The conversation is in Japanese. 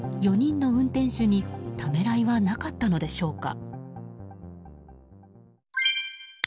４人の運転手にためらいはなかったのでしょうか。